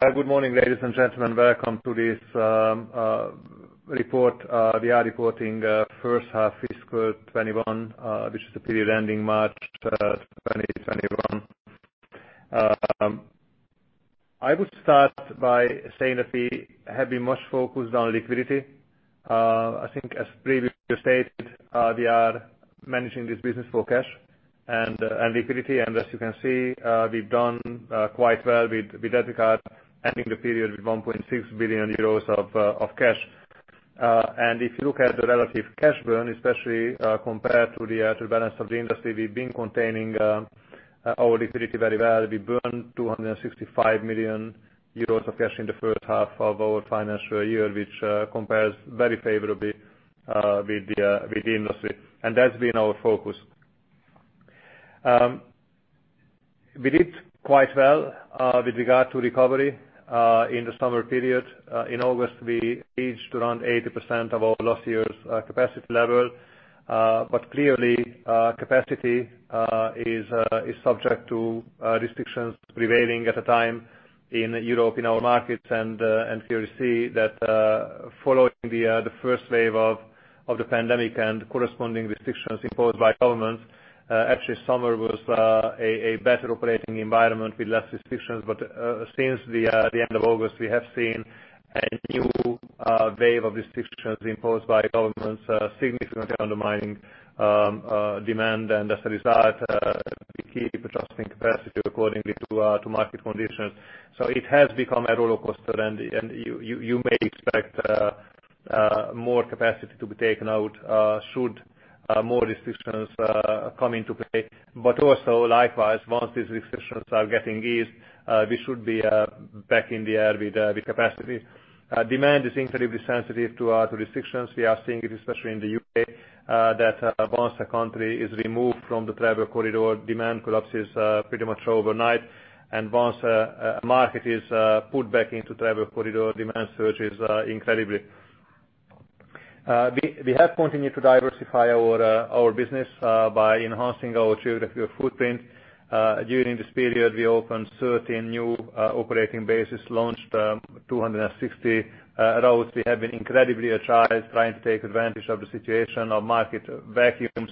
Good morning, ladies and gentlemen. Welcome to this report. We are reporting first half fiscal 2021, which is the period ending March 2021. I would start by saying that we have been much focused on liquidity. I think as previously stated, we are managing this business for cash and liquidity, and as you can see, we've done quite well with regard, ending the period with 1.6 billion euros of cash. If you look at the relative cash burn, especially compared to the balance of the industry, we've been containing our liquidity very well. We burned 265 million euros of cash in the first half of our financial year, which compares very favorably with the industry, and that's been our focus. We did quite well with regard to recovery, in the summer period. In August, we reached around 80% of our last year's capacity level. Clearly, capacity is subject to restrictions prevailing at the time in Europe, in our markets. Clearly see that following the first wave of the pandemic and corresponding restrictions imposed by governments, actually summer was a better operating environment with less restrictions. Since the end of August, we have seen a new wave of restrictions imposed by governments significantly undermining demand. As a result, we keep adjusting capacity accordingly to market conditions. It has become a rollercoaster, and you may expect more capacity to be taken out should more restrictions come into play. Also likewise, once these restrictions are getting eased, we should be back in the air with capacity. Demand is incredibly sensitive to restrictions. We are seeing it, especially in the U.K., that once a country is removed from the travel corridor, demand collapses pretty much overnight. Once a market is put back into travel corridor, demand surges incredibly. We have continued to diversify our business by enhancing our geographical footprint. During this period, we opened 13 new operating bases, launched 260 routes. We have been incredibly agile, trying to take advantage of the situation of market vacuums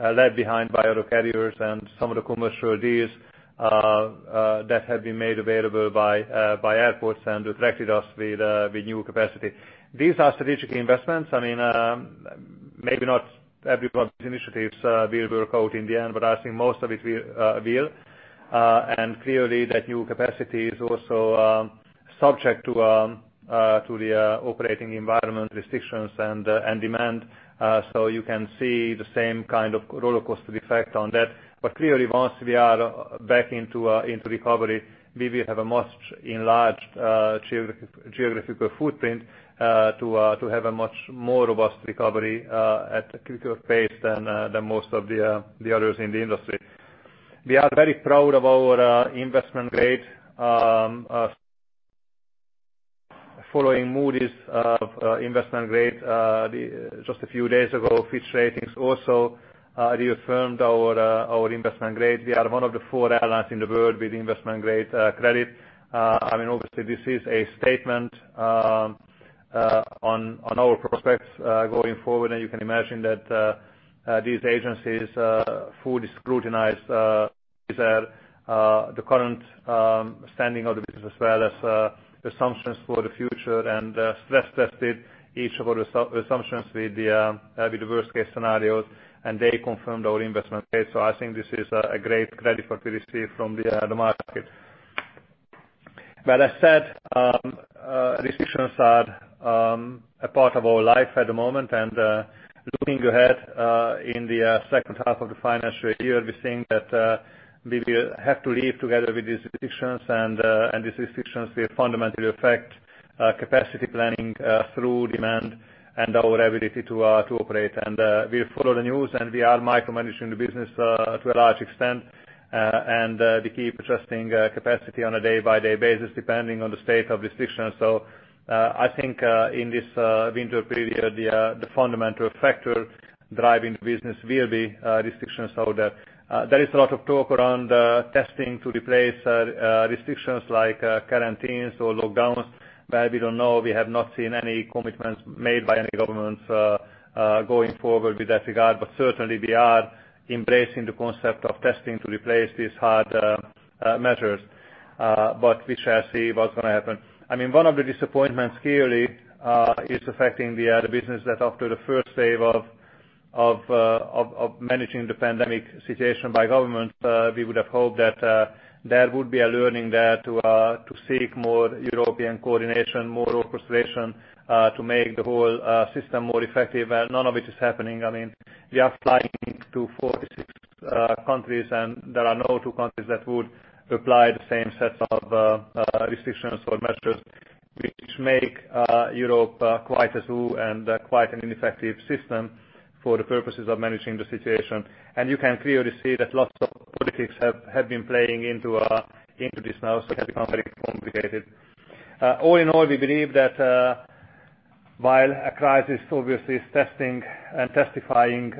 left behind by other carriers and some of the commercial deals that have been made available by airports and attracted us with new capacity. These are strategic investments. Maybe not every one of these initiatives will work out in the end, but I think most of it will. Clearly that new capacity is also subject to the operating environment restrictions and demand. You can see the same kind of rollercoaster effect on that. Clearly, once we are back into recovery, we will have a much enlarged geographical footprint to have a much more robust recovery at a quicker pace than most of the others in the industry. We are very proud of our investment grade. Following Moody's investment grade just a few days ago, Fitch Ratings also reaffirmed our investment grade. We are one of the four airlines in the world with investment-grade credit. Obviously, this is a statement on our prospects going forward, and you can imagine that these agencies fully scrutinize the current standing of the business as well as assumptions for the future, and stress-tested each of our assumptions with the worst-case scenarios. They confirmed our investment grade, I think this is a great credit that we received from the market. As said, restrictions are a part of our life at the moment, and looking ahead, in the second half of the financial year, we think that we will have to live together with these restrictions. These restrictions will fundamentally affect capacity planning through demand and our ability to operate. We follow the news, and we are micromanaging the business to a large extent, and we keep adjusting capacity on a day-by-day basis depending on the state of restrictions. I think in this winter period, the fundamental factor driving the business will be restrictions. There is a lot of talk around testing to replace restrictions like quarantines or lockdowns, but we don't know. We have not seen any commitments made by any governments going forward with that regard. Certainly, we are embracing the concept of testing to replace these hard measures. We shall see what's going to happen. One of the disappointments clearly is affecting the business, that after the first wave of managing the pandemic situation by government, we would have hoped that there would be a learning there to seek more European coordination, more orchestration to make the whole system more effective. None of it is happening. We are flying to 46 countries, and there are no two countries that would apply the same sets of restrictions or measures, which make Europe quite a zoo and quite an ineffective system for the purposes of managing the situation. You can clearly see that lots of politics have been playing into this now, so it has become very complicated. All in all, we believe that while a crisis obviously is testing and testifying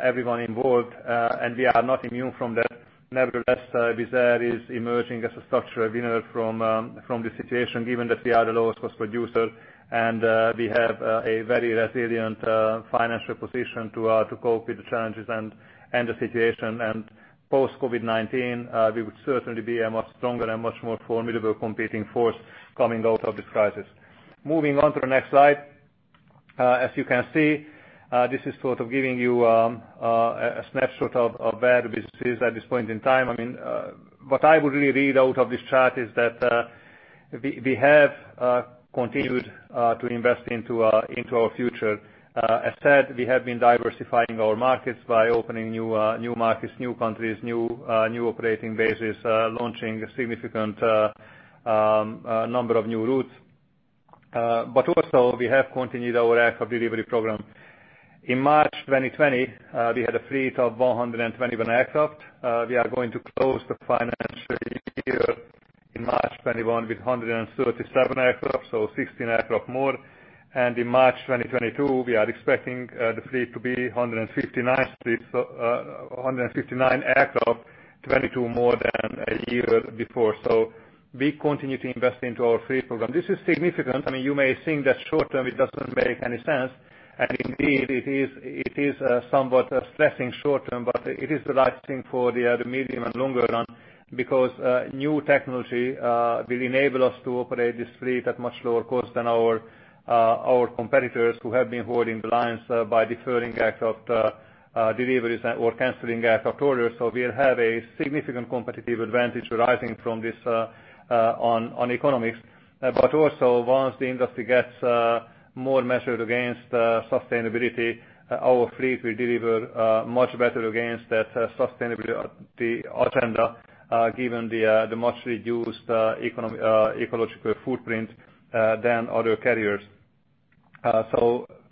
everyone involved, and we are not immune from that. Nevertheless, Wizz Air is emerging as a structural winner from this situation, given that we are the lowest cost producer, and we have a very resilient financial position to cope with the challenges and the situation. Post-COVID-19, we would certainly be a much stronger and much more formidable competing force coming out of this crisis. Moving on to the next slide. As you can see, this is sort of giving you a snapshot of where the business is at this point in time. What I would really read out of this chart is that we have continued to invest into our future. As said, we have been diversifying our markets by opening new markets, new countries, new operating bases, launching a significant number of new routes. Also we have continued our aircraft delivery program. In March 2020, we had a fleet of 121 aircraft. We are going to close the financial year in March 2021 with 137 aircraft, so 16 aircraft more. In March 2022, we are expecting the fleet to be 159 aircraft, 22 more than a year before. We continue to invest into our fleet program. This is significant. You may think that short-term, it doesn't make any sense, and indeed it is somewhat stressing short-term, but it is the right thing for the medium and longer run because new technology will enable us to operate this fleet at much lower cost than our competitors who have been holding the lines by deferring aircraft deliveries or canceling aircraft orders. We'll have a significant competitive advantage rising from this on economics. Also once the industry gets more measured against sustainability, our fleet will deliver much better against that sustainability agenda, given the much reduced ecological footprint than other carriers.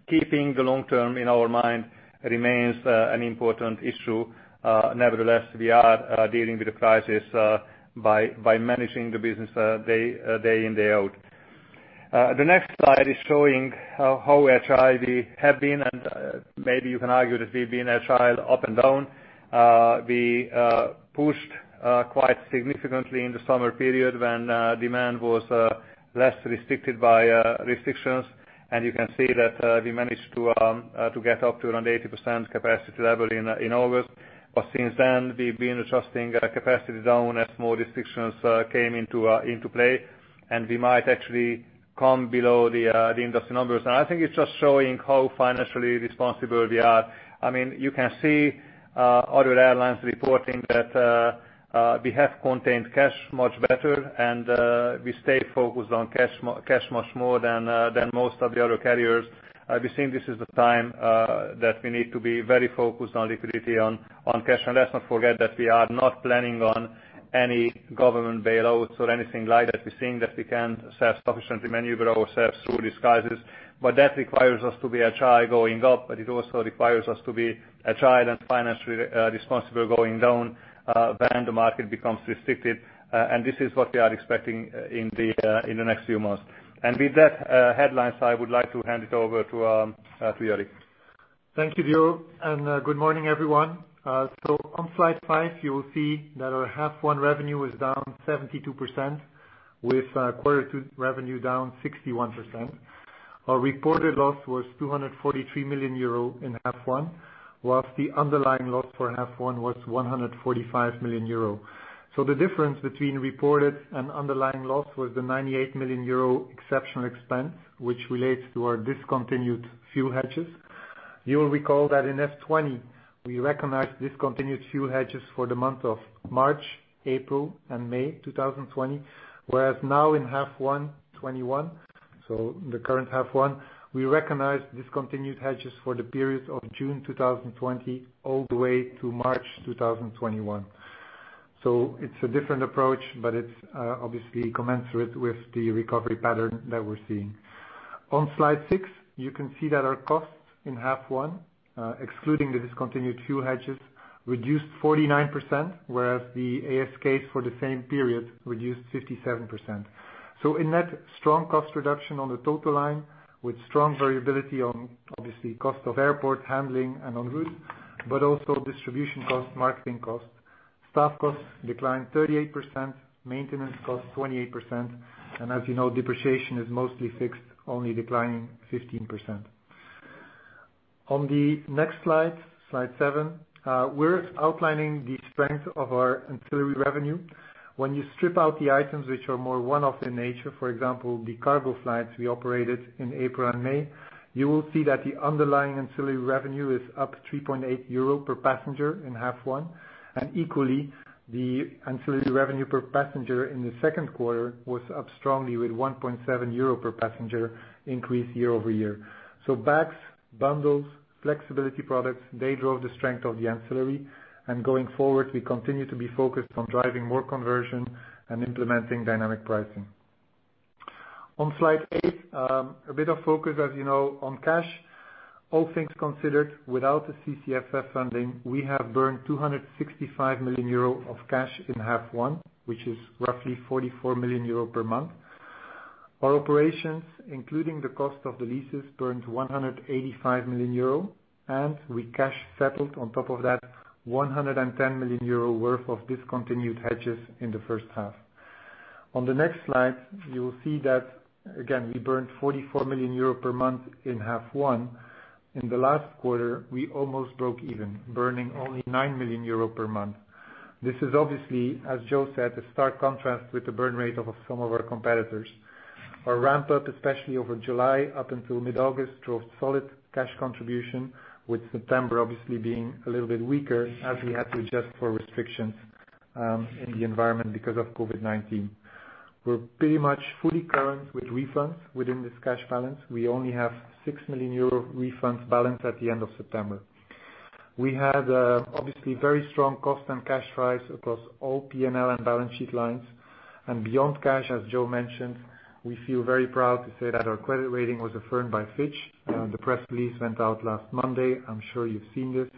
Keeping the long term in our mind remains an important issue. Nevertheless, we are dealing with the crisis by managing the business day in, day out. The next slide is showing how agile we have been, and maybe you can argue that we've been agile up and down. We pushed quite significantly in the summer period when demand was less restricted by restrictions. You can see that we managed to get up to around 80% capacity level in August. Since then, we've been adjusting capacity down as more restrictions came into play, and we might actually come below the industry numbers. I think it's just showing how financially responsible we are. You can see other airlines reporting that we have contained cash much better, and we stay focused on cash much more than most of the other carriers. We think this is the time that we need to be very focused on liquidity, on cash. Let's not forget that we are not planning on any government bailouts or anything like that. We think that we can sufficiently maneuver ourselves through these crises. That requires us to be agile going up, but it also requires us to be agile and financially responsible going down when the market becomes restricted. This is what we are expecting in the next few months. With that headline, I would like to hand it over to Jourik. Thank you, Jó, and good morning, everyone. On slide five, you will see that our half one revenue is down 72%, with quarter two revenue down 61%. Our reported loss was 243 million euro in half one, whilst the underlying loss for half one was 145 million euro. The difference between reported and underlying loss was the 98 million euro exceptional expense, which relates to our discontinued fuel hedges. You will recall that in FY 2020, we recognized discontinued fuel hedges for the month of March, April, and May 2020, whereas now in half one 2021, so the current half one, we recognize discontinued hedges for the period of June 2020 all the way to March 2021. It's a different approach, but it's obviously commensurate with the recovery pattern that we're seeing. On slide six, you can see that our costs in half one, excluding the discontinued fuel hedges, reduced 49%, whereas the ASKs for the same period reduced 57%. In net, strong cost reduction on the total line with strong variability on obviously cost of airport handling and en route, but also distribution costs, marketing costs. Staff costs declined 38%, maintenance costs 28%. As you know, depreciation is mostly fixed, only declining 15%. On the next slide seven, we're outlining the strength of our ancillary revenue. When you strip out the items which are more one-off in nature, for example, the cargo flights we operated in April and May, you will see that the underlying ancillary revenue is up 3.8 euro per passenger in half one. Equally, the ancillary revenue per passenger in the second quarter was up strongly with 1.7 euro per passenger increase year-over-year. Bags, bundles, flexibility products, they drove the strength of the ancillary. Going forward, we continue to be focused on driving more conversion and implementing dynamic pricing. On slide eight, a bit of focus, as you know, on cash. All things considered, without the CCFF funding, we have burned 265 million euro of cash in half one, which is roughly 44 million euro per month. Our operations, including the cost of the leases, burned 185 million euro, and we cash settled on top of that 110 million euro worth of discontinued hedges in the first half. On the next slide, you will see that, again, we burned 44 million euro per month in half one. In the last quarter, we almost broke even, burning only 9 million euro per month. This is obviously, as Jó said, a stark contrast with the burn rate of some of our competitors. Our ramp-up, especially over July up until mid-August, drove solid cash contribution with September obviously being a little bit weaker as we had to adjust for restrictions in the environment because of COVID-19. We're pretty much fully current with refunds within this cash balance. We only have 6 million euro refunds balance at the end of September. We had obviously very strong cost and cash drives across all P&L and balance sheet lines. Beyond cash, as Jó mentioned, we feel very proud to say that our credit rating was affirmed by Fitch. The press release went out last Monday, I'm sure you've seen this.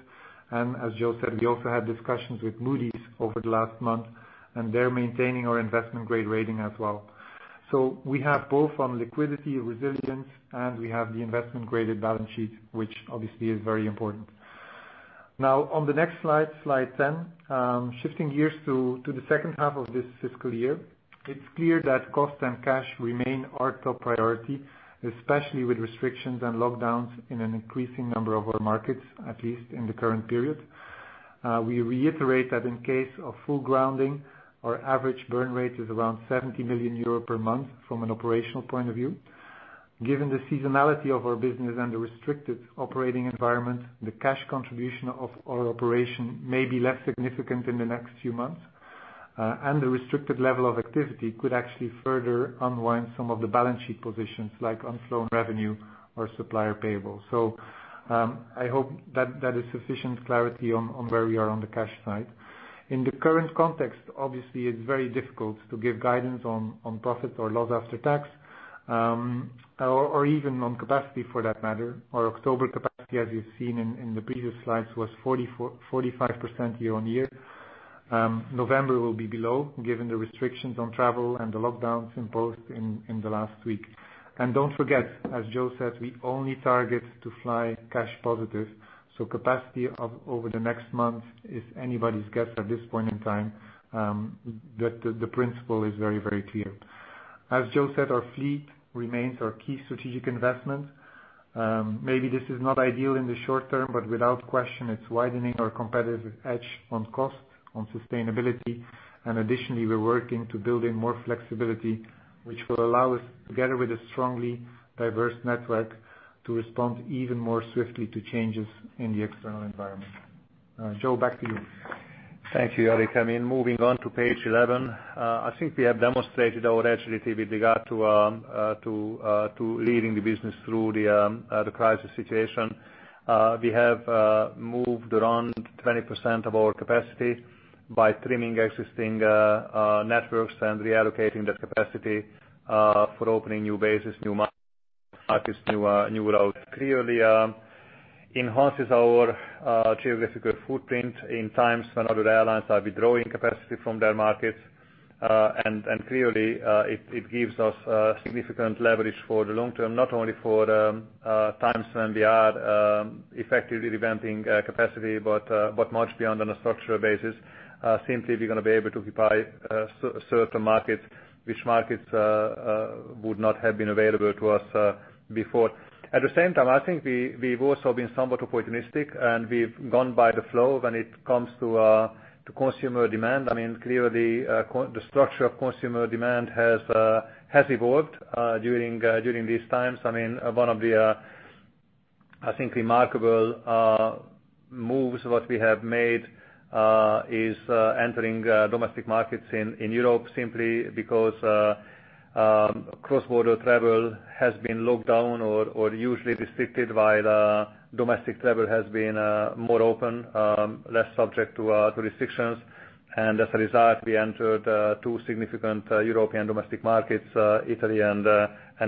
As Jó said, we also had discussions with Moody's over the last month, and they're maintaining our investment-grade rating as well. We have both on liquidity resilience, and we have the investment-graded balance sheet, which obviously is very important. On the next slide 10, shifting gears to the second half of this fiscal year. It's clear that cost and cash remain our top priority, especially with restrictions and lockdowns in an increasing number of our markets, at least in the current period. We reiterate that in case of full grounding, our average burn rate is around 70 million euro per month from an operational point of view. Given the seasonality of our business and the restricted operating environment, the cash contribution of our operation may be less significant in the next few months. The restricted level of activity could actually further unwind some of the balance sheet positions, like unflown revenue or supplier payable. I hope that is sufficient clarity on where we are on the cash side. In the current context, obviously it's very difficult to give guidance on profit or loss after tax, or even on capacity for that matter. Our October capacity, as you've seen in the previous slides, was 45% year-over-year. November will be below, given the restrictions on travel and the lockdowns imposed in the last week. Don't forget, as Jó said, we only target to fly cash positive, capacity over the next month is anybody's guess at this point in time. The principle is very clear. As Jó said, our fleet remains our key strategic investment. Maybe this is not ideal in the short term, without question, it's widening our competitive edge on cost, on sustainability. Additionally, we're working to build in more flexibility, which will allow us, together with a strongly diverse network, to respond even more swiftly to changes in the external environment. Jó, back to you. Thank you, Jourik. Moving on to page 11. I think we have demonstrated our agility with regard to leading the business through the crisis situation. We have moved around 20% of our capacity by trimming existing networks and reallocating that capacity for opening new bases, new markets, new routes. Clearly enhances our geographical footprint in times when other airlines are withdrawing capacity from their markets. Clearly, it gives us significant leverage for the long term, not only for times when we are effectively revamping capacity but much beyond on a structural basis. Simply, we're going to be able to occupy certain markets, which markets would not have been available to us before. At the same time, I think we've also been somewhat opportunistic, and we've gone by the flow when it comes to consumer demand. Clearly, the structure of consumer demand has evolved during these times. One of the, I think, remarkable moves what we have made is entering domestic markets in Europe simply because cross-border travel has been locked down or usually restricted while domestic travel has been more open, less subject to restrictions. As a result, we entered two significant European domestic markets, Italy and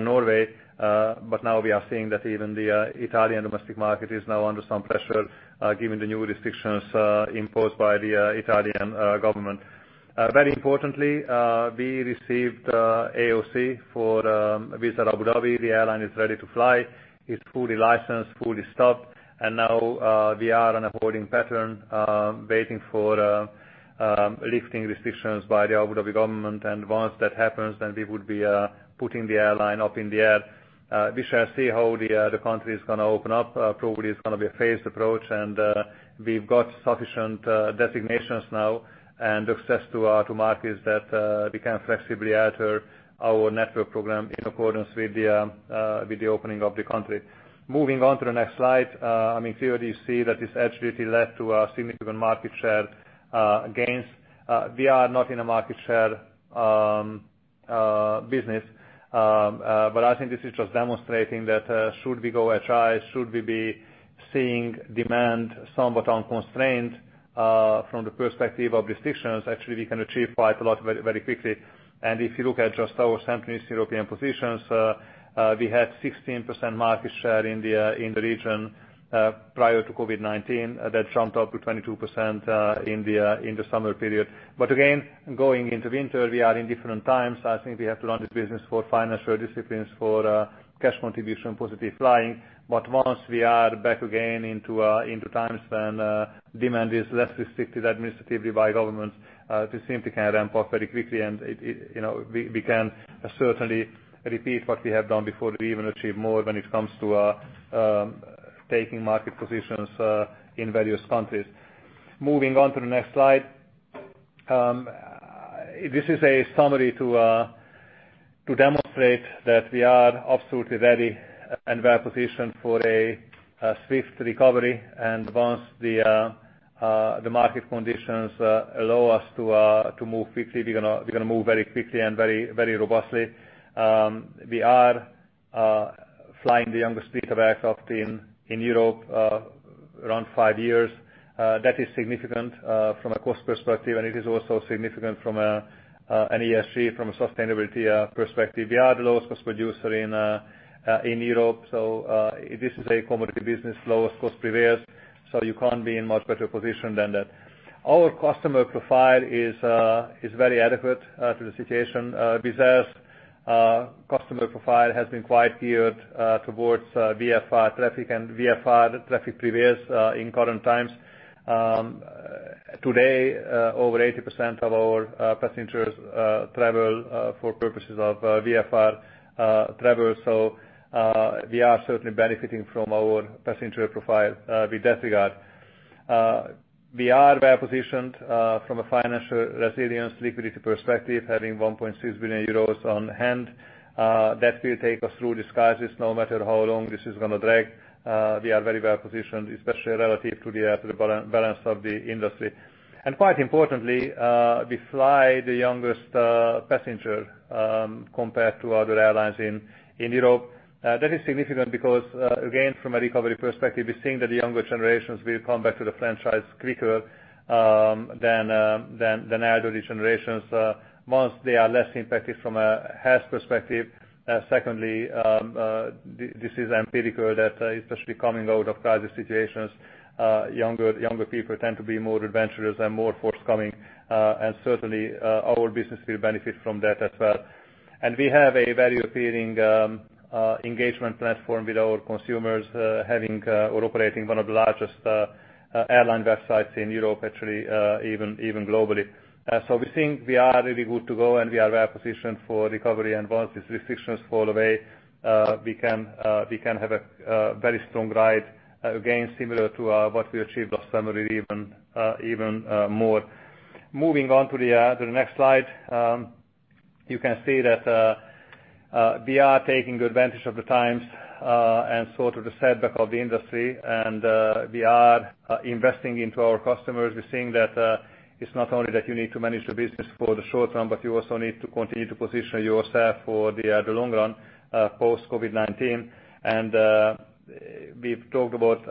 Norway. Now we are seeing that even the Italian domestic market is now under some pressure, given the new restrictions imposed by the Italian government. Very importantly, we received AOC for Wizz Air Abu Dhabi. The airline is ready to fly. It's fully licensed, fully staffed, and now we are on a holding pattern, waiting for lifting restrictions by the Abu Dhabi government. Once that happens, then we would be putting the airline up in the air. We shall see how the country is going to open up. Probably it's going to be a phased approach, and we've got sufficient designations now and access to markets that we can flexibly alter our network program in accordance with the opening of the country. Moving on to the next slide. Clearly, you see that this agility led to significant market share gains. We are not in a market share business, but I think this is just demonstrating that should we go high, should we be seeing demand somewhat unconstrained from the perspective of restrictions, actually, we can achieve quite a lot very quickly. If you look at just our sampling European positions, we had 16% market share in the region prior to COVID-19. That jumped up to 22% in the summer period. Again, going into winter, we are in different times. I think we have to run this business for financial disciplines, for cash contribution, positive flying. Once we are back again into times when demand is less restricted administratively by governments, we simply can ramp up very quickly, and we can certainly repeat what we have done before to even achieve more when it comes to taking market positions in various countries. Moving on to the next slide. This is a summary to demonstrate that we are absolutely ready and well-positioned for a swift recovery. Once the market conditions allow us to move quickly, we're going to move very quickly and very robustly. We are flying the youngest fleet of aircraft in Europe, around five years. That is significant from a cost perspective, and it is also significant from an ESG, from a sustainability perspective. We are the lowest-cost producer in Europe. This is a commodity business, lowest cost prevails, so you can't be in much better position than that. Our customer profile is very adequate to the situation. Wizz Air's customer profile has been quite geared towards VFR traffic, and VFR traffic prevails in current times. Today, over 80% of our passengers travel for purposes of VFR travel, so we are certainly benefiting from our passenger profile with that regard. We are well-positioned from a financial resilience liquidity perspective, having 1.6 billion euros on hand. That will take us through this crisis no matter how long this is going to drag. We are very well-positioned, especially relative to the balance of the industry. Quite importantly, we fly the youngest passenger compared to other airlines in Europe. That is significant because, again, from a recovery perspective, we're seeing that the younger generations will come back to the franchise quicker than elderly generations. One, they are less impacted from a health perspective. Secondly, this is empirical that especially coming out of crisis situations, younger people tend to be more adventurous and more forthcoming. Certainly, our business will benefit from that as well. We have a very appealing engagement platform with our consumers, having or operating one of the largest airline websites in Europe, actually, even globally. We think we are really good to go, and we are well-positioned for recovery. Once these restrictions fall away, we can have a very strong ride, again, similar to what we achieved last summer, or even more. Moving on to the next slide. You can see that we are taking advantage of the times and sort of the setback of the industry, and we are investing into our customers. We're seeing that it's not only that you need to manage the business for the short term, but you also need to continue to position yourself for the long run post-COVID-19. We've talked about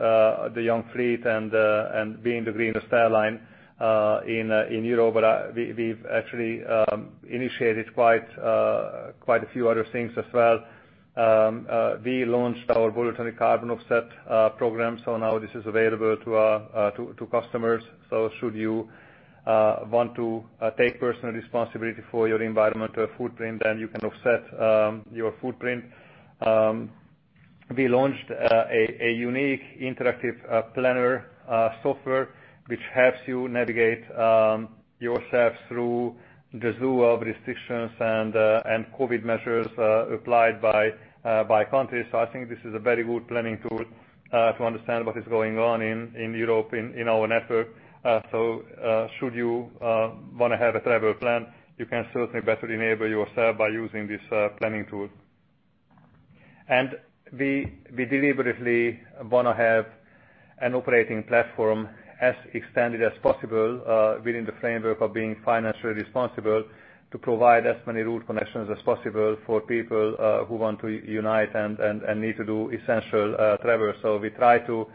the young fleet and being the greenest airline in Europe, but we've actually initiated quite a few other things as well. We launched our voluntary carbon offset program, so now this is available to customers. Should you want to take personal responsibility for your environmental footprint, then you can offset your footprint. We launched a unique interactive planner software, which helps you navigate yourself through the zoo of restrictions and COVID measures applied by country. I think this is a very good planning tool to understand what is going on in Europe in our network. Should you want to have a travel plan, you can certainly better enable yourself by using this planning tool. We deliberately want to have an operating platform as extended as possible within the framework of being financially responsible to provide as many route connections as possible for people who want to unite and need to do essential travel. We try to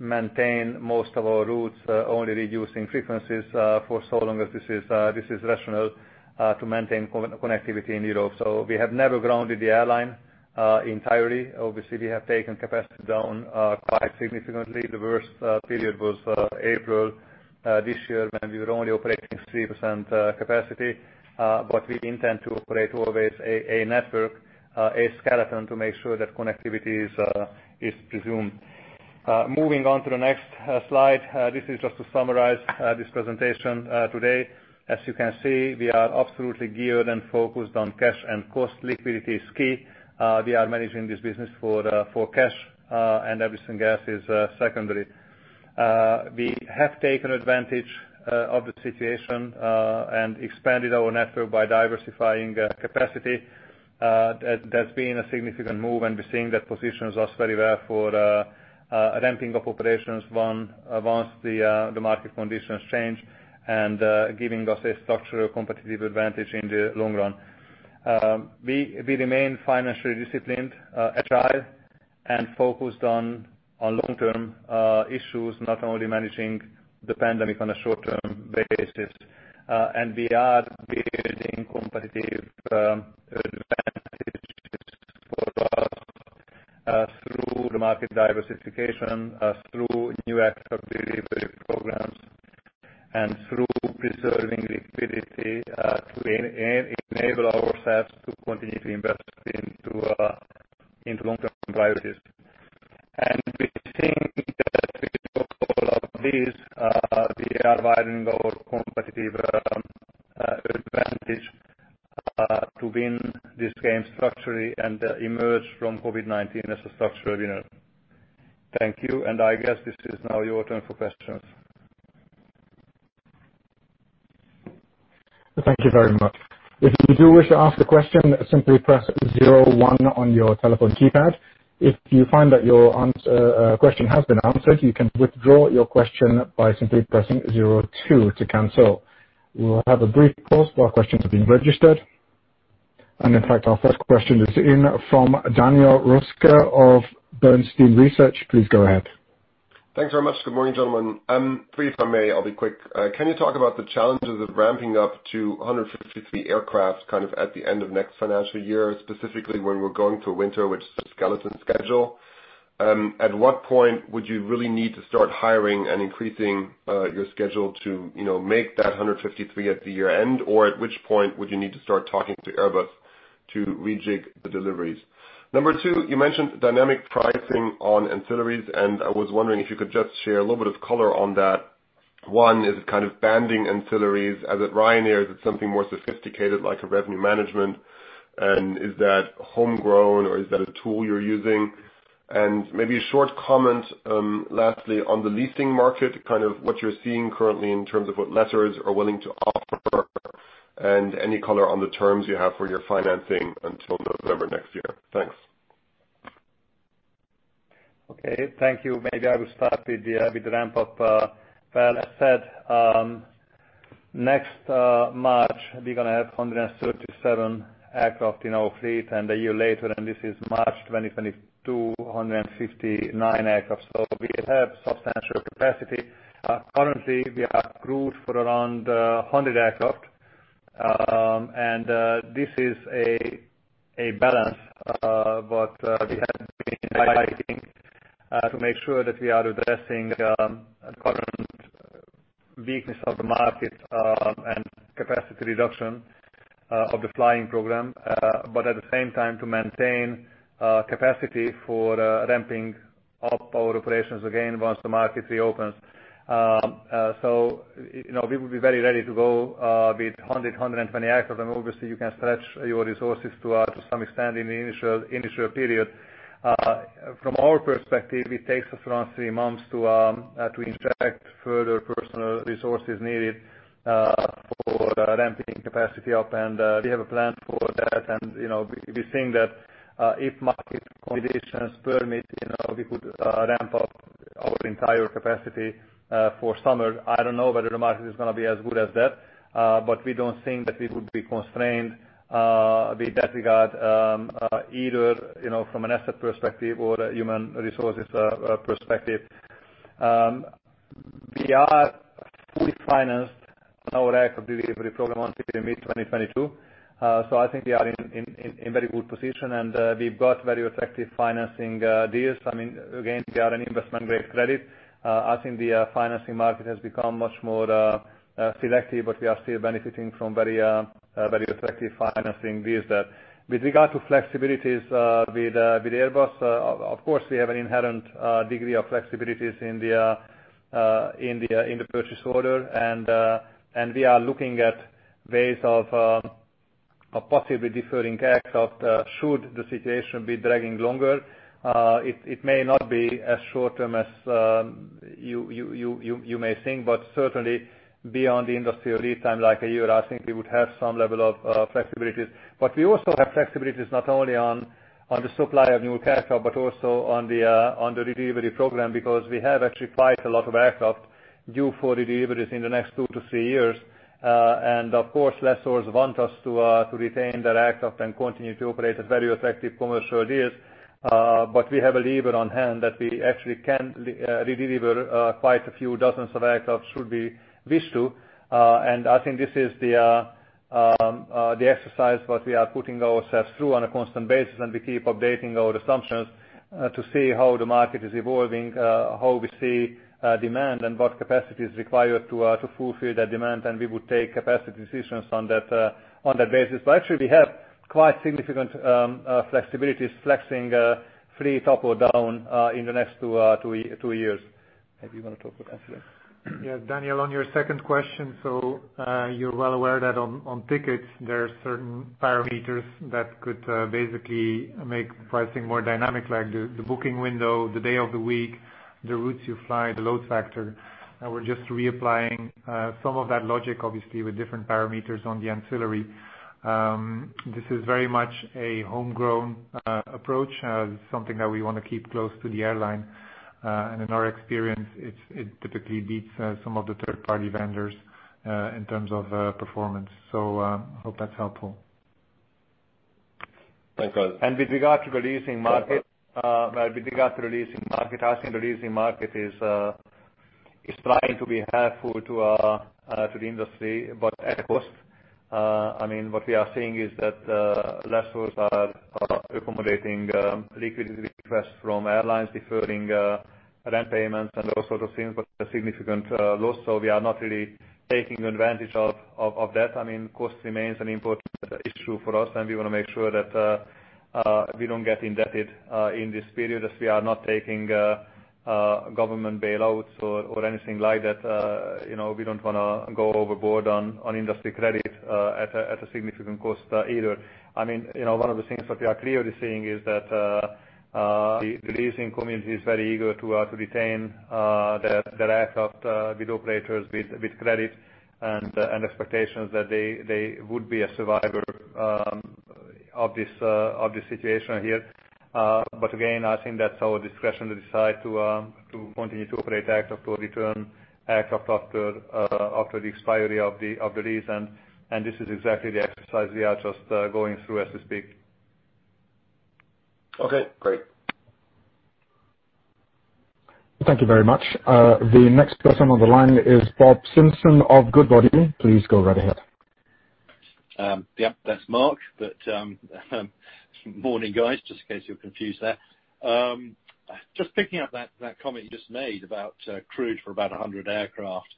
maintain most of our routes, only reducing frequencies for so long as this is rational to maintain connectivity in Europe. We have never grounded the airline entirely. Obviously, we have taken capacity down quite significantly. The worst period was April this year when we were only operating 3% capacity. We intend to operate always a network, a skeleton to make sure that connectivity is presumed. Moving on to the next slide. This is just to summarize this presentation today. As you can see, we are absolutely geared and focused on cash and cost. Liquidity is key. We are managing this business for cash, and everything else is secondary. We have taken advantage of the situation and expanded our network by diversifying capacity. That's been a significant move, and we're seeing that positions us very well for a ramping of operations once the market conditions change and giving us a structural competitive advantage in the long run. We remain financially disciplined, agile, and focused on long-term issues, not only managing the pandemic on a short-term basis. We are building competitive advantages for us through the market diversification, through new aircraft delivery programs, and through preserving liquidity to enable ourselves to continue to invest in long-term priorities. We think that with all of these, we are widening our competitive advantage to win this game structurally and emerge from COVID-19 as a structural winner. Thank you. I guess this is now your turn for questions. Thank you very much. If you do wish to ask a question, simply press zero one on your telephone keypad. If you find that your question has been answered, you can withdraw your question by simply pressing zero two to cancel. We will have a brief pause while questions are being registered. In fact, our first question is in from Daniel Roeska of Bernstein Research. Please go ahead. Thanks very much. Good morning, gentlemen. Three if I may, I'll be quick. Can you talk about the challenges of ramping up to 153 aircraft at the end of next financial year, specifically when we're going to a winter with skeleton schedule? At what point would you really need to start hiring and increasing your schedule to make that 153 at the year-end? Or at which point would you need to start talking to Airbus to rejig the deliveries? Number two, you mentioned dynamic pricing on ancillaries. I was wondering if you could just share a little bit of color on that. One, is kind of banding ancillaries as at Ryanair, is it something more sophisticated like a revenue management? Is that homegrown, or is that a tool you're using? Maybe a short comment, lastly, on the leasing market, what you are seeing currently in terms of what lessors are willing to offer, and any color on the terms you have for your financing until November next year. Thanks. Okay. Thank you. Maybe I will start with the ramp-up. Well, as said, next March we're going to have 137 aircraft in our fleet, and a year later, and this is March 2022, 159 aircraft. We have substantial capacity. Currently, we are crewed for around 100 aircraft, and this is a balance, but we have been to make sure that we are addressing current weakness of the market and capacity reduction of the flying program. At the same time to maintain capacity for ramping up our operations again once the market reopens. We will be very ready to go with 100, 120 aircraft, and obviously you can stretch your resources to some extent in the initial period. From our perspective, it takes us around three months to instruct further personal resources needed for ramping capacity up, and we have a plan for that. We think that if market conditions permit, we could ramp up our entire capacity for summer. I don't know whether the market is going to be as good as that. We don't think that we would be constrained with that regard either from an asset perspective or a human resources perspective. We are fully financed on our aircraft delivery program until mid-2022. I think we are in very good position, and we've got very effective financing deals. Again, we are an investment-grade credit. I think the financing market has become much more selective, but we are still benefiting from very effective financing deals there. With regard to flexibilities with Airbus, of course we have an inherent degree of flexibilities in the purchase order. We are looking at ways of possibly deferring aircraft should the situation be dragging longer. It may not be as short-term as you may think, but certainly beyond the industry lead time like a year, I think we would have some level of flexibilities. We also have flexibilities not only on the supply of new aircraft, but also on the delivery program, because we have actually quite a lot of aircraft due for deliveries in the next two to three years. Of course, lessors want us to retain their aircraft and continue to operate at very effective commercial deals. We have a lever on hand that we actually can redeliver quite a few dozens of aircraft should we wish to. I think this is the exercise what we are putting ourselves through on a constant basis, and we keep updating our assumptions to see how the market is evolving, how we see demand, and what capacity is required to fulfill that demand. We would take capacity decisions on that basis. Actually, we have quite significant flexibilities flexing fleet up or down in the next two years. Maybe you want to talk about ancillaries. Yes, Daniel, on your second question. You're well aware that on tickets there are certain parameters that could basically make pricing more dynamic, like the booking window, the day of the week, the routes you fly, the load factor. We're just reapplying some of that logic, obviously, with different parameters on the ancillary. This is very much a homegrown approach. This is something that we want to keep close to the airline. In our experience, it typically beats some of the third-party vendors in terms of performance. I hope that's helpful. With regard to the leasing market, I think the leasing market is trying to be helpful to the industry, but at a cost. What we are seeing is that lessors are accommodating liquidity requests from airlines deferring rent payments and those sorts of things, but at a significant loss. We are not really taking advantage of that. Cost remains an important issue for us, and we want to make sure that we don't get indebted in this period, that we are not taking government bailouts or anything like that. We don't want to go overboard on industry credit at a significant cost either. One of the things that we are clearly seeing is that the leasing community is very eager to retain their aircraft with operators, with credit, and expectations that they would be a survivor of this situation here. Again, I think that's our discretion to decide to continue to operate the aircraft or return aircraft after the expiry of the lease. This is exactly the exercise we are just going through as we speak. Okay, great. Thank you very much. The next person on the line is Bob Simpson of Goodbody. Please go right ahead. Yep. That's Mark. Morning, guys, just in case you're confused there. Just picking up that comment you just made about crew for about 100 aircraft.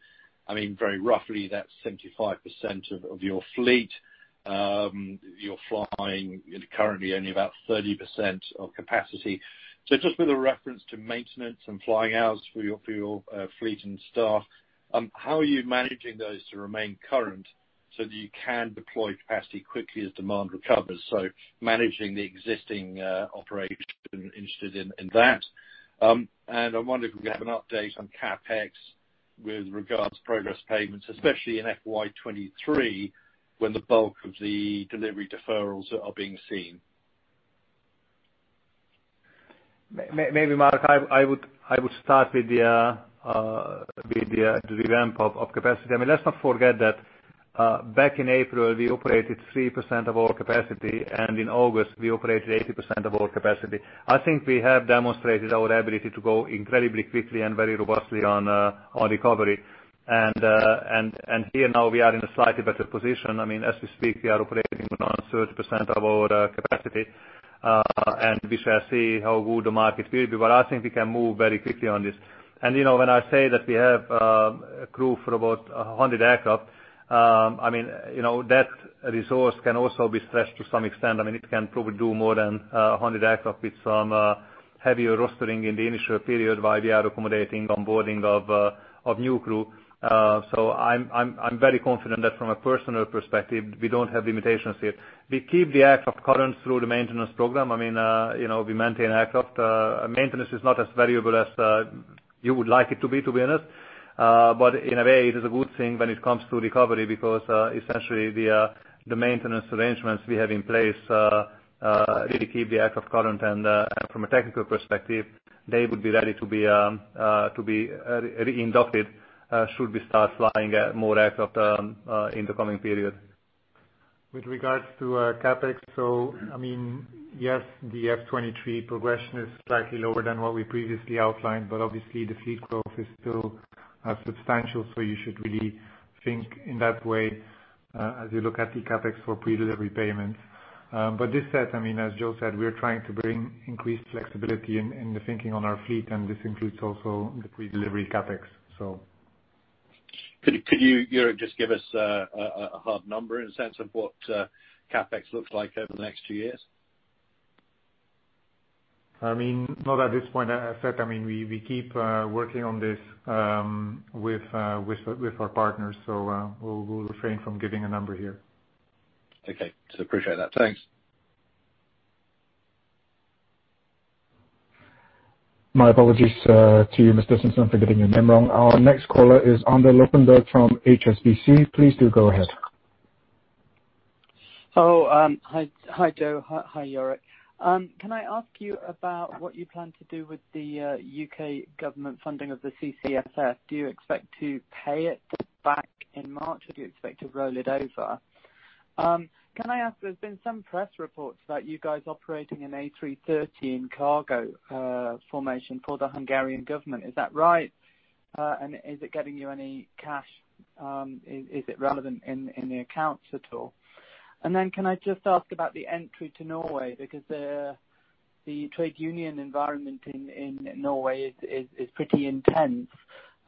Very roughly, that's 75% of your fleet. You're flying currently only about 30% of capacity. Just with a reference to maintenance and flying hours for your fleet and staff, how are you managing those to remain current so that you can deploy capacity quickly as demand recovers? Managing the existing operation, interested in that. I wonder if we have an update on CapEx with regards to progress payments, especially in FY 2023, when the bulk of the delivery deferrals are being seen. Maybe Mark, I would start with the ramp-up of capacity. Let's not forget that back in April, we operated 3% of our capacity, and in August, we operated 80% of our capacity. I think we have demonstrated our ability to go incredibly quickly and very robustly on recovery. Here now we are in a slightly better position. As we speak, we are operating around 30% of our capacity, and we shall see how good the market will be. I think we can move very quickly on this. When I say that we have crew for about 100 aircraft, that resource can also be stretched to some extent. It can probably do more than 100 aircraft with some heavier rostering in the initial period while we are accommodating onboarding of new crew. I'm very confident that from a personal perspective, we don't have limitations here. We keep the aircraft current through the maintenance program. We maintain aircraft. Maintenance is not as variable as you would like it to be, to be honest. In a way, it is a good thing when it comes to recovery because essentially the maintenance arrangements we have in place really keep the aircraft current, and from a technical perspective, they would be ready to be reinducted should we start flying more aircraft in the coming period. With regards to CapEx, yes, the FY 2023 progression is slightly lower than what we previously outlined, but obviously the fleet growth is still substantial, so you should really think in that way as you look at the CapEx for predelivery payments. This said, as Jó said, we are trying to bring increased flexibility in the thinking on our fleet, and this includes also the predelivery CapEx. Could you, Jourik, just give us a hard number in a sense of what CapEx looks like over the next two years? Not at this point. As said, we keep working on this with our partners. We'll refrain from giving a number here. Okay. Appreciate that. Thanks. My apologies to you, Mr. Simpson, for getting your name wrong. Our next caller is Andrew Lobbenberg from HSBC. Please do go ahead. Hello. Hi Jó. Hi Jourik. Can I ask you about what you plan to do with the U.K. government funding of the CCFF? Do you expect to pay it back in March, or do you expect to roll it over? Can I ask, there's been some press reports about you guys operating an A330 in cargo formation for the Hungarian government. Is that right? Is it getting you any cash? Is it relevant in the accounts at all? Then can I just ask about the entry to Norway, because the trade union environment in Norway is pretty intense.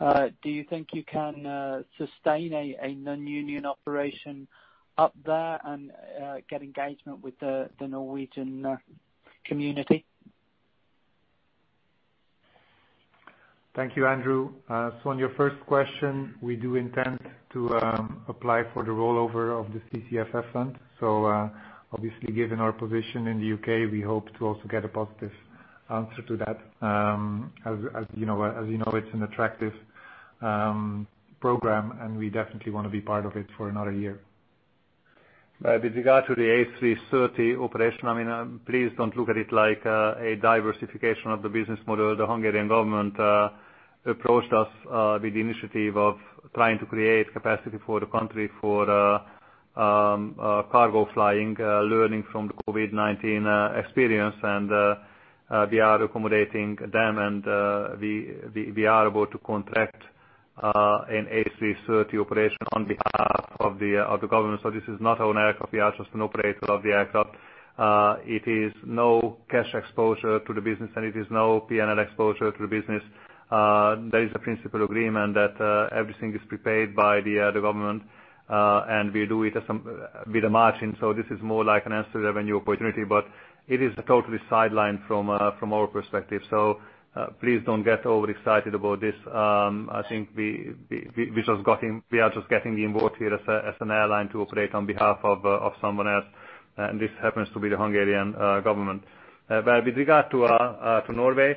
Do you think you can sustain a non-union operation up there and get engagement with the Norwegian community? Thank you, Andrew. On your first question, we do intend to apply for the rollover of the CCFF fund. Obviously, given our position in the U.K., we hope to also get a positive answer to that. As you know, it's an attractive program, and we definitely want to be part of it for another year. With regard to the A330 operation, please don't look at it like a diversification of the business model. The Hungarian government approached us with the initiative of trying to create capacity for the country for cargo flying, learning from the COVID-19 experience, and we are accommodating them, and we are about to contract an A330 operation on behalf of the government. This is not our aircraft, we are just an operator of the aircraft. It is no cash exposure to the business, and it is no P&L exposure to the business. There is a principle agreement that everything is prepaid by the government, and we do it with a margin. This is more like an ancillary revenue opportunity, but it is totally sidelined from our perspective. Please don't get overexcited about this. I think we are just getting involved here as an airline to operate on behalf of someone else, and this happens to be the Hungarian government. With regard to Norway,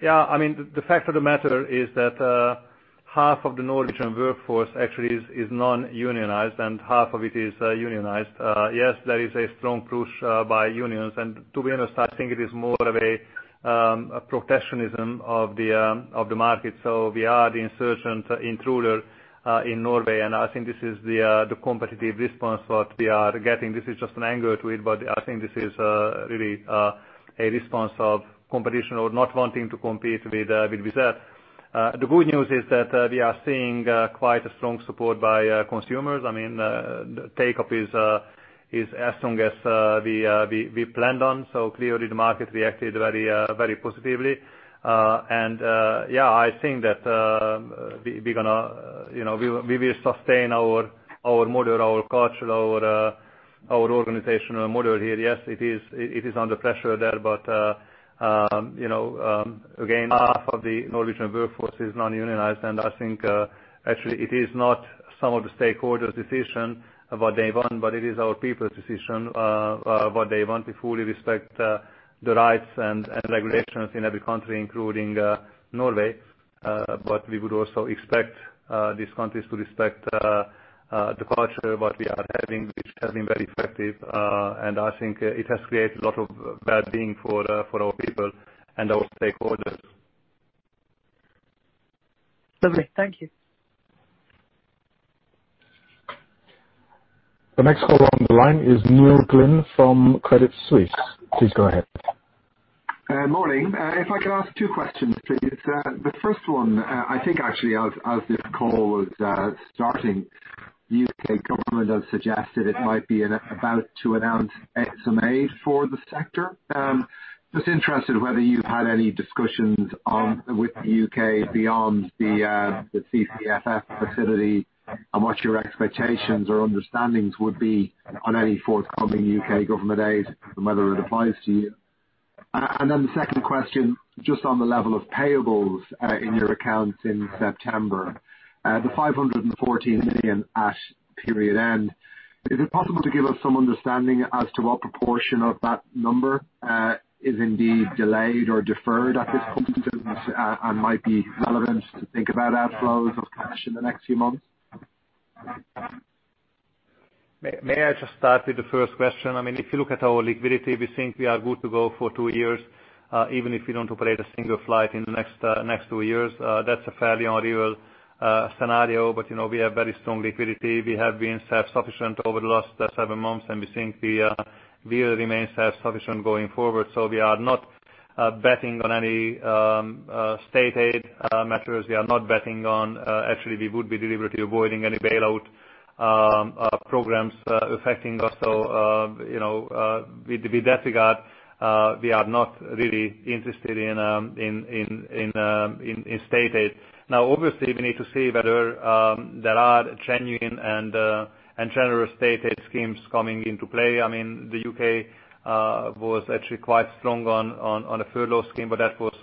the fact of the matter is that half of the Norwegian workforce actually is non-unionized, and half of it is unionized. Yes, there is a strong push by unions. To be honest, I think it is more of a protectionism of the market. We are the insurgent intruder in Norway, and I think this is the competitive response what we are getting. This is just an angle to it, but I think this is really a response of competition or not wanting to compete with Wizz Air. The good news is that we are seeing quite a strong support by consumers. The take-up is as strong as we planned on. Clearly the market reacted very positively. I think that we will sustain our model, our culture, our organizational model here. Yes, it is under pressure there. Again, half of the Norwegian workforce is non-unionized, and I think actually it is not some of the stakeholders' decision what they want, but it is our people's decision what they want. We fully respect the rights and regulations in every country, including Norway. We would also expect these countries to respect the culture, what we are having, which has been very effective. I think it has created a lot of well-being for our people and our stakeholders. Lovely. Thank you. The next caller on the line is Neil Glynn from Credit Suisse. Please go ahead. Morning. If I could ask two questions, please. The first one, I think actually as this call was starting, U.K. government has suggested it might be about to announce some aid for the sector. Just interested whether you've had any discussions with the U.K. beyond the CCFF facility, and what your expectations or understandings would be on any forthcoming U.K. government aid, and whether it applies to you. The second question, just on the level of payables in your accounts in September. The 514 million at period end. Is it possible to give us some understanding as to what proportion of that number is indeed delayed or deferred at this point, and might be relevant to think about outflows of cash in the next few months? May I just start with the first question? If you look at our liquidity, we think we are good to go for two years, even if we don't operate a single flight in the next two years. That's a fairly unreal scenario, but we have very strong liquidity. We have been self-sufficient over the last seven months, and we think we will remain self-sufficient going forward. We are not betting on any state aid matters. We are not betting on- Actually, we would be deliberately avoiding any bailout programs affecting us. With that regard, we are not really interested in state aid. Now, obviously, we need to see whether there are genuine and generous state aid schemes coming into play. The U.K. was actually quite strong on a furlough scheme, but that was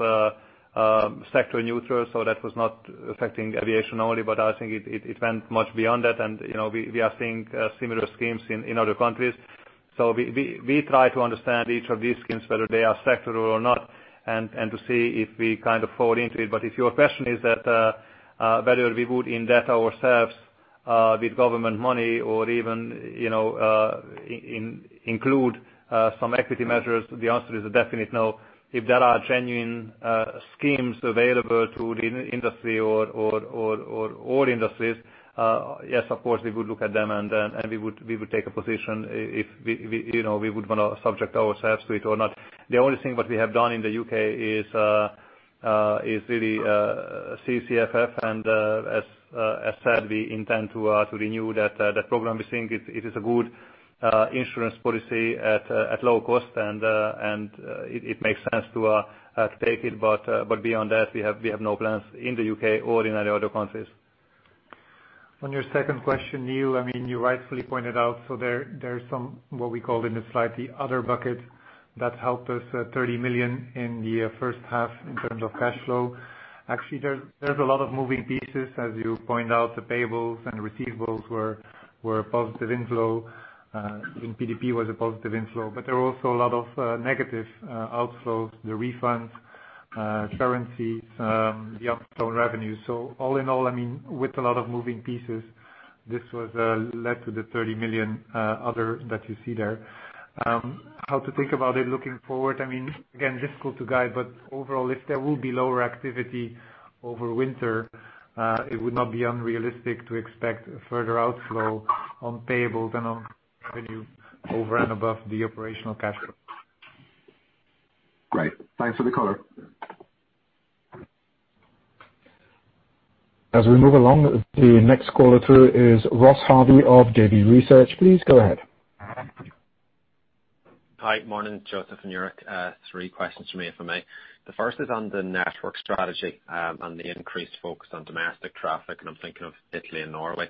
sector-neutral, so that was not affecting aviation only. I think it went much beyond that, and we are seeing similar schemes in other countries. We try to understand each of these schemes, whether they are sectoral or not, and to see if we kind of fall into it. If your question is that whether we would indebt ourselves with government money or even include some equity measures, the answer is a definite no. If there are genuine schemes available to the industry or all industries, yes, of course, we would look at them, and we would take a position if we would want to subject ourselves to it or not. The only thing what we have done in the U.K. is really CCFF, and as said, we intend to renew that program. We think it is a good insurance policy at low cost, and it makes sense to take it, but beyond that, we have no plans in the U.K. or in any other countries. On your second question, Neil, you rightfully pointed out, there's some, what we call in the slide, the other bucket that helped us, 30 million in the first half in terms of cash flow. There's a lot of moving pieces, as you point out. The payables and receivables were a positive inflow. Even PDP was a positive inflow. There are also a lot of negative outflows, the refunds, currencies, the unflown revenues. All in all, with a lot of moving pieces, this led to the 30 million other that you see there. How to think about it looking forward. Again, difficult to guide, but overall, if there will be lower activity over winter, it would not be unrealistic to expect a further outflow on payables and on revenue over and above the operational cash flow. Great. Thanks for the color. As we move along, the next caller through is Ross Harvey of Davy Research. Please go ahead. Hi. Morning, József and Jourik. Three questions from me, if I may. The first is on the network strategy, on the increased focus on domestic traffic, and I'm thinking of Italy and Norway.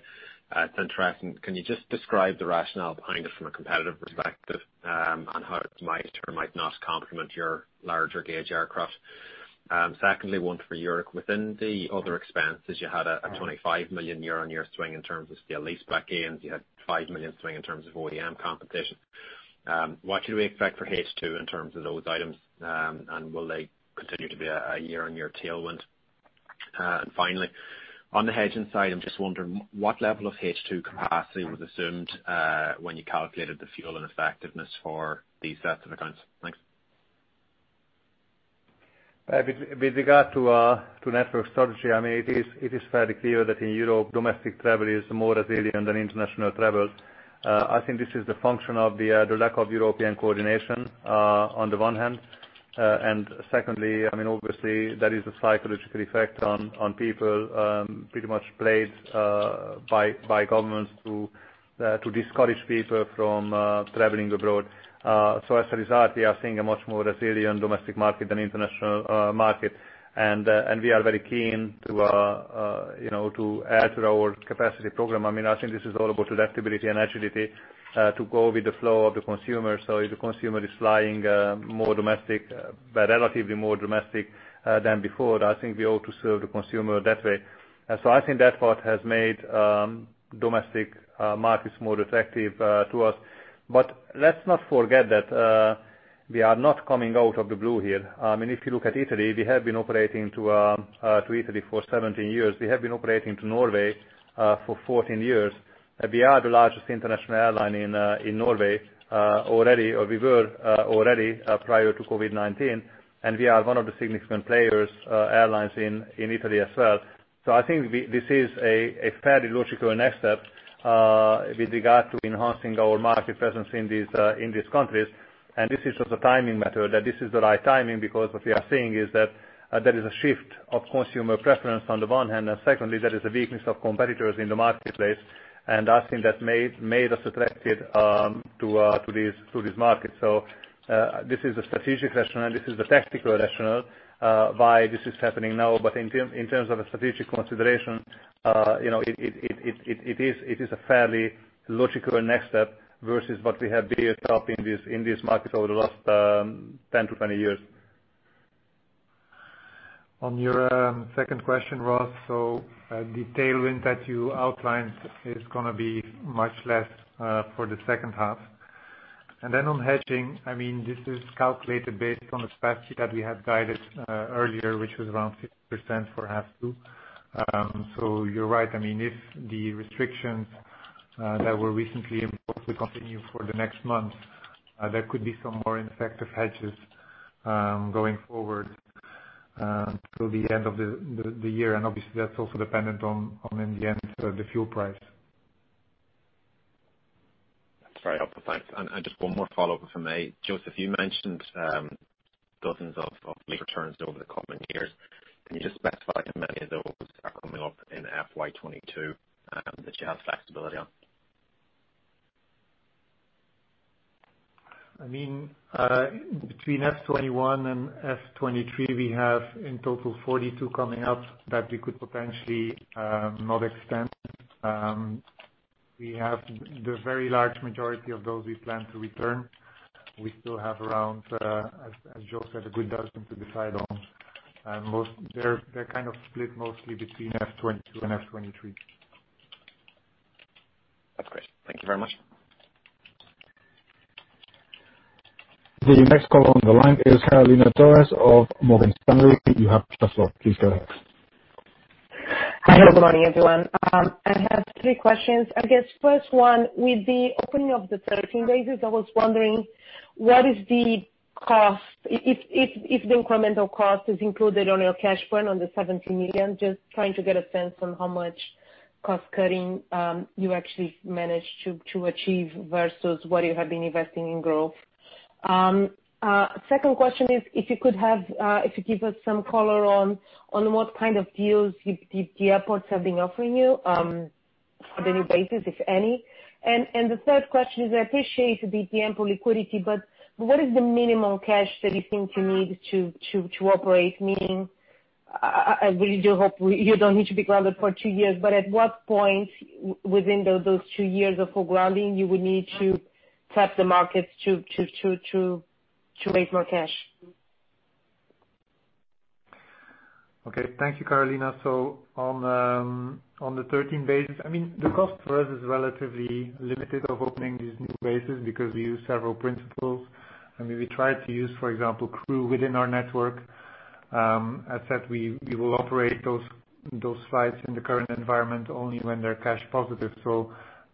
It's interesting. Can you just describe the rationale behind it from a competitive perspective, on how it might or might not complement your larger gauge aircraft? Secondly, one for Jourik. Within the other expenses, you had a 25 million year-on-year swing in terms of sale-leaseback gains. You had 5 million swing in terms of OEM compensation. What should we expect for H2 in terms of those items? Will they continue to be a year-on-year tailwind? Finally, on the hedging side, I'm just wondering what level of H2 capacity was assumed when you calculated the fuel and effectiveness for these sets of accounts. Thanks. With regard to network strategy, it is fairly clear that in Europe, domestic travel is more resilient than international travel. I think this is the function of the lack of European coordination on the one hand, and secondly, obviously, there is a psychological effect on people pretty much played by governments to discourage people from traveling abroad. As a result, we are seeing a much more resilient domestic market than international market. We are very keen to add to our capacity program. I think this is all about adaptability and agility to go with the flow of the consumer. If the consumer is flying relatively more domestic than before, I think we ought to serve the consumer that way. I think that part has made domestic markets more attractive to us. Let's not forget that we are not coming out of the blue here. If you look at Italy, we have been operating to Italy for 17 years. We have been operating to Norway for 14 years. We are the largest international airline in Norway already. We were already prior to COVID-19, and we are one of the significant players airlines in Italy as well. I think this is a fairly logical next step with regard to enhancing our market presence in these countries. This is just a timing matter, that this is the right timing because what we are seeing is that there is a shift of consumer preference on the one hand, and secondly, there is a weakness of competitors in the marketplace. I think that made us attracted to these markets. This is a strategic rationale, this is the tactical rationale why this is happening now. In terms of a strategic consideration it is a fairly logical next step versus what we have built up in these markets over the last 10 to 20 years. On your second question, Ross. The tailwind that you outlined is going to be much less for the second half. On hedging, this is calculated based on the strategy that we have guided earlier, which was around 60% for half two. You're right, if the restrictions that were recently imposed will continue for the next month, there could be some more effective hedges going forward till the end of the year. Obviously, that's also dependent on, in the end, the fuel price. That's very helpful. Thanks. Just one more follow-up from me. József, you mentioned dozens of lease returns over the coming years. Can you just specify how many of those are coming up in FY 2022 that you have flexibility on? Between FY 2021 and FY 2023, we have in total 42 coming up that we could potentially not extend. We have the very large majority of those we plan to return. We still have around, as József said, a good dozen to decide on. They're kind of split mostly between FY 2022 and FY 2023. That's great. Thank you very much. The next caller on the line is Carolina Dores of Morgan Stanley. You have the floor. Please go ahead. Hello. Good morning, everyone. I have three questions. I guess first one, with the opening of the 13 bases, I was wondering what is the cost? If the incremental cost is included on your cash burn on the 70 million, just trying to get a sense on how much cost-cutting you actually managed to achieve versus what you have been investing in growth. Second question is, if you could give us some color on what kind of deals the airports have been offering you on the new bases, if any? The third question is, I appreciate the ample liquidity, but what is the minimal cash that you think you need to operate? Meaning, I really do hope you don't need to be grounded for two years, but at what point within those two years of full grounding you would need to tap the markets to raise more cash? Okay. Thank you, Carolina. On the 13 bases, the cost for us is relatively limited of opening these new bases because we use several principles, and we try to use, for example, crew within our network. As said, we will operate those flights in the current environment only when they're cash positive.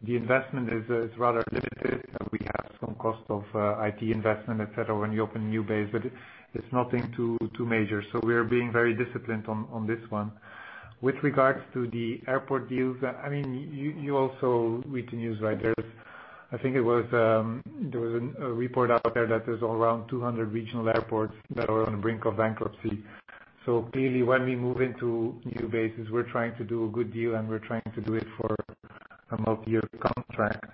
The investment is rather limited. We have some cost of IT investment, et cetera, when you open a new base, but it's nothing too major. We are being very disciplined on this one. With regards to the airport deals, you also read the news, right? There was a report out there that there's around 200 regional airports that are on the brink of bankruptcy. Clearly, when we move into new bases, we're trying to do a good deal and we're trying to do it for a multi-year contract.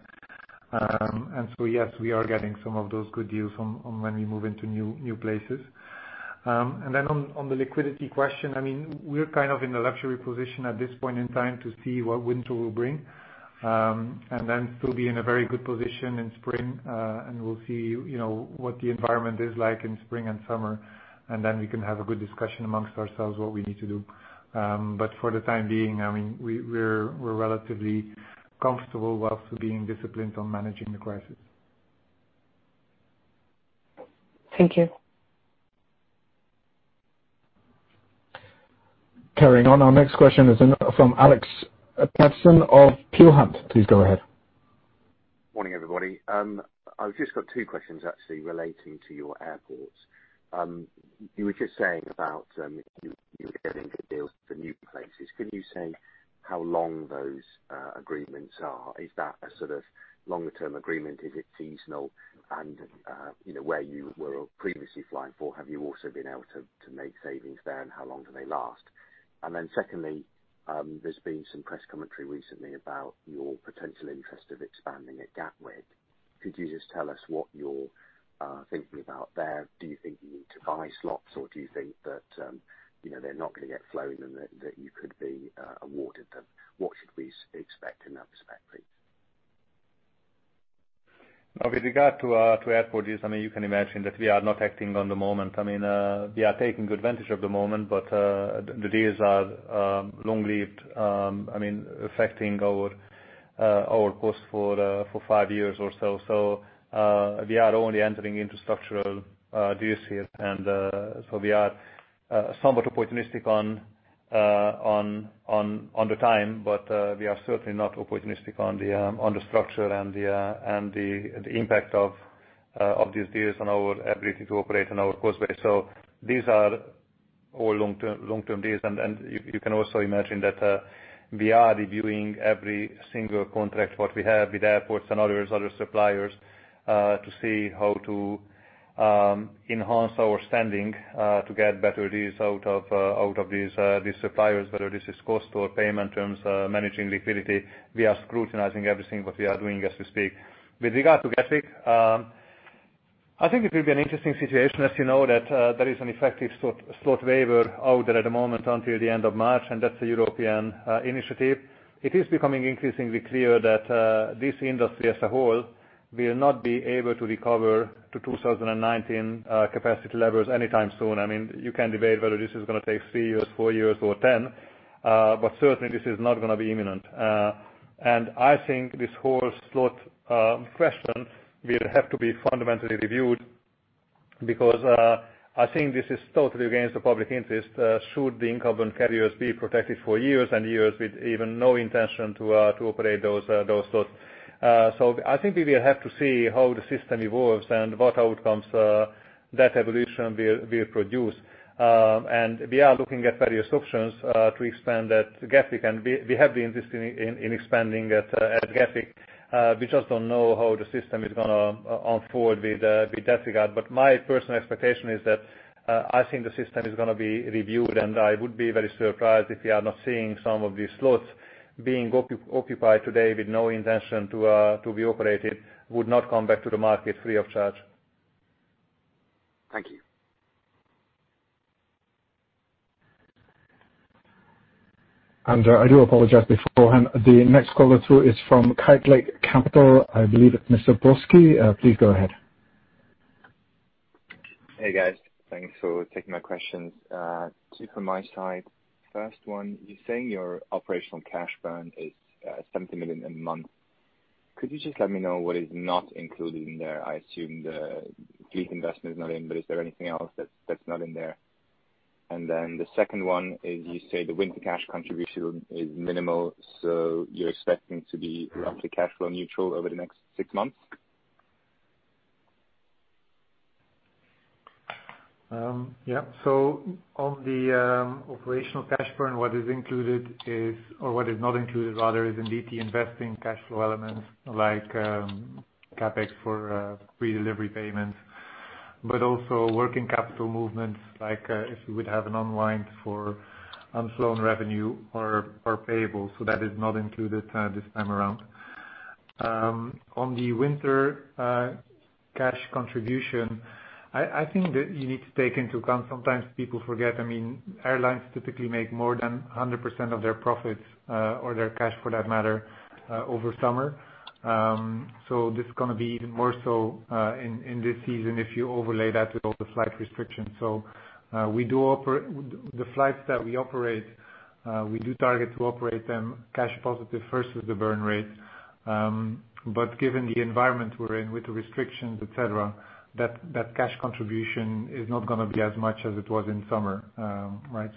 Yes, we are getting some of those good deals when we move into new places. Then on the liquidity question, we're kind of in a luxury position at this point in time to see what winter will bring. And then still be in a very good position in spring, and we'll see what the environment is like in spring and summer. Then we can have a good discussion amongst ourselves what we need to do. But for the time being, we're relatively comfortable while still being disciplined on managing the crisis. Thank you. Carrying on. Our next question is from Alexander Paterson of Peel Hunt. Please go ahead. Morning, everybody. I've just got two questions actually relating to your airports. You were just saying about you getting good deals for new places. Can you say how long those agreements are? Is that a sort of longer-term agreement? Is it seasonal? Where you were previously flying for, have you also been able to make savings there, and how long do they last? Secondly, there's been some press commentary recently about your potential interest of expanding at Gatwick. Could you just tell us what you're thinking about there? Do you think you need to buy slots or do you think that they're not going to get flown and that you could be awarded them? What should we expect in that respect, please? With regard to airports, you can imagine that we are not acting on the moment. We are taking advantage of the moment, but the deals are long-lived, affecting our costs for five years or so. We are only entering into structural deals here. We are somewhat opportunistic on the time, but we are certainly not opportunistic on the structure and the impact of these deals on our ability to operate on our cost base. These are all long-term deals, and you can also imagine that we are reviewing every single contract that we have with airports and other suppliers to see how to enhance our standing to get better deals out of these suppliers, whether this is cost or payment terms, managing liquidity. We are scrutinizing everything that we are doing as we speak. With regard to Gatwick, I think it will be an interesting situation, as you know, that there is an effective slot waiver out there at the moment until the end of March, and that's a European initiative. It is becoming increasingly clear that this industry as a whole will not be able to recover to 2019 capacity levels anytime soon. You can debate whether this is going to take three years, four years or 10, but certainly, this is not going to be imminent. I think this whole slot question will have to be fundamentally reviewed, because I think this is totally against the public interest. Should the incumbent carriers be protected for years and years with even no intention to operate those slots? I think we will have to see how the system evolves and what outcomes that evolution will produce. We are looking at various options to expand at Gatwick, and we have the interest in expanding at Gatwick. We just don't know how the system is going to unfold with that regard. My personal expectation is that I think the system is going to be reviewed, and I would be very surprised if we are not seeing some of these slots being occupied today with no intention to be operated, would not come back to the market free of charge. Thank you. I do apologize beforehand. The next caller through is from Kite Lake Capital, I believe Mr. [Brosky]. Please go ahead. Hey, guys. Thanks for taking my questions. Two from my side. First one, you're saying your operational cash burn is 70 million a month. Could you just let me know what is not included in there? I assume the fleet investment is not in, but is there anything else that's not in there? The second one is you say the winter cash contribution is minimal, so you're expecting to be roughly cash flow neutral over the next six months? Yeah. On the operational cash burn, what is included is, or what is not included rather, is indeed the investing cash flow elements like CapEx for redelivery payments, but also working capital movements like if we would have an unwind for unflown revenue or payable. That is not included this time around. On the winter cash contribution, I think that you need to take into account, sometimes people forget, airlines typically make more than 100% of their profits or their cash for that matter, over summer. This is going to be even more so in this season if you overlay that with all the flight restrictions. The flights that we operate, we do target to operate them cash positive first with the burn rate, but given the environment we're in with the restrictions, et cetera, that cash contribution is not going to be as much as it was in summer. Right?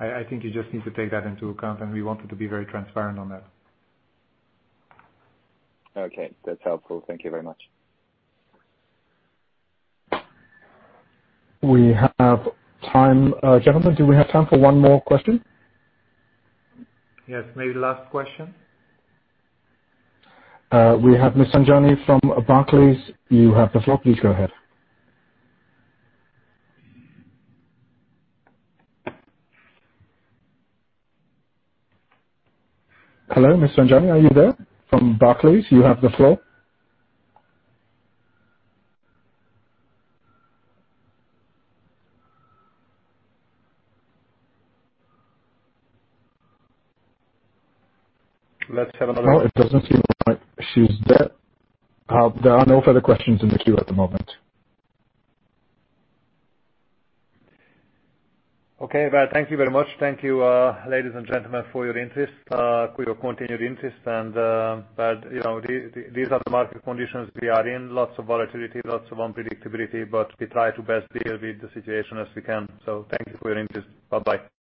I think you just need to take that into account, and we wanted to be very transparent on that. Okay. That's helpful. Thank you very much. We have time. Gentlemen, do we have time for one more question? Yes. Maybe last question. We have Ms. Savjani from Barclays. You have the floor. Please go ahead. Hello, Ms. Savjani, are you there from Barclays? You have the floor. Let's have another- No, it doesn't seem like she's there. There are no further questions in the queue at the moment. Okay. Well, thank you very much. Thank you, ladies and gentlemen, for your interest, for your continued interest. These are the market conditions we are in. Lots of volatility, lots of unpredictability, but we try to best deal with the situation as we can. Thank you for your interest. Bye-bye.